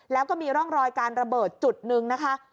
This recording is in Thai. แล้วก็มีร่องรอยการระเบิดจุดหนึ่งนะคะ